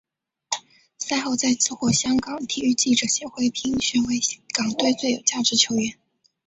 赛后再次获香港体育记者协会评选为港队最有价值球员。